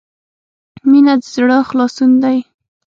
• مینه د زړۀ خلاصون دی.